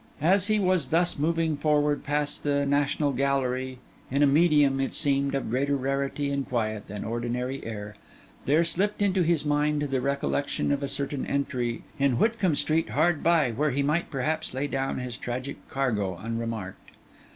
As he was thus moving forward past the National Gallery, in a medium, it seemed, of greater rarity and quiet than ordinary air, there slipped into his mind the recollection of a certain entry in Whitcomb Street hard by, where he might perhaps lay down his tragic cargo unremarked.